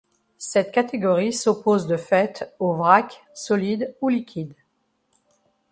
Cette catégorie s’oppose de fait aux vracs, solides ou liquides.